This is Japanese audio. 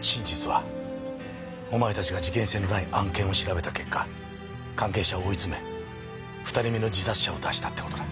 真実はお前たちが事件性のない案件を調べた結果関係者を追い詰め２人目の自殺者を出したって事だ。